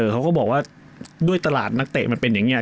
เขาก็บอกว่าด้วยตลาดนักเตะมันเป็นอย่างนี้